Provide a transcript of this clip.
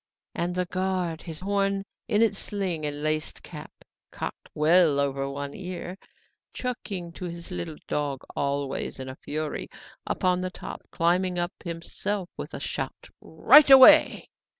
and the guard, his horn in its sling and laced cap cocked well over one ear, chucking his little dog, always in a fury, upon the top, climbed up himself with a shout: 'Right away!